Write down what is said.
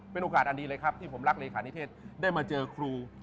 เป็นโอกาสอันดีที่ผมรักไปได้มาเจอครู